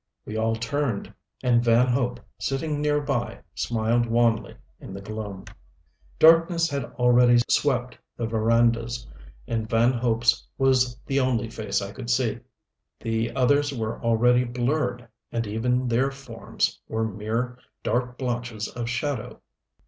We all turned, and Van Hope, sitting near by, smiled wanly in the gloom. Darkness had already swept the verandas, and Van Hope's was the only face I could see. The others were already blurred, and even their forms were mere dark blotches of shadow.